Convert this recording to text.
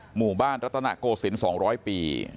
หมู่บ้านรัตนโกศิลป์๒๐๐ปี